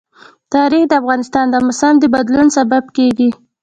تاریخ د افغانستان د موسم د بدلون سبب کېږي.